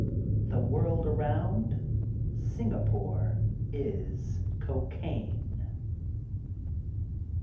The world around, SINGAPORE IS COCAINE.